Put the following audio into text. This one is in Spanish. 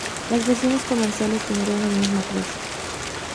Las versiones comerciales tendrían el mismo precio.